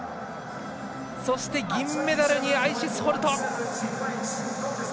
そして、銀メダルにアイシス・ホルト。